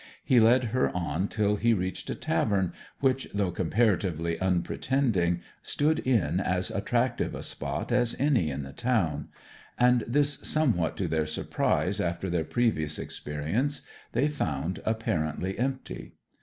He led her on till he reached a tavern which, though comparatively unpretending, stood in as attractive a spot as any in the town; and this, somewhat to their surprise after their previous experience, they found apparently empty.